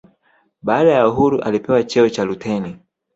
baada ya uhuru alipewa cheo cha luteni